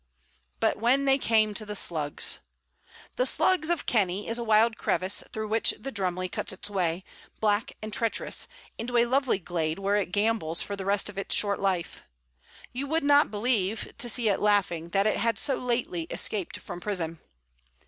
But when they came to the Slugs! The Slugs of Kenny is a wild crevice through which the Drumly cuts its way, black and treacherous, into a lovely glade where it gambols for the rest of its short life; you would not believe, to see it laughing, that it had so lately escaped from prison.